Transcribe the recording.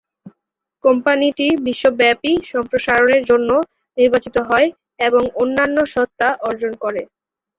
কোম্পানিটি বিশ্বব্যাপী সম্প্রসারণের জন্য নির্বাচিত হয় এবং অন্যান্য সত্তা অর্জন করে।